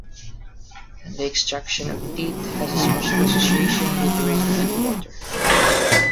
The extraction of teeth has a special association with rain and water.